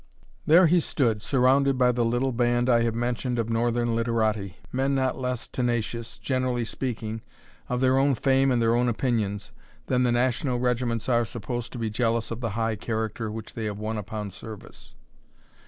There he stood, surrounded by the little band I have mentioned of Northern literati, men not less tenacious, generally speaking, of their own fame and their own opinions, than the national regiments are supposed to be jealous of the high character which they have won upon service.